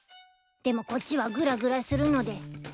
でもこっちはぐらぐらするので。